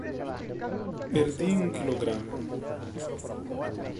Perdi um quilograma.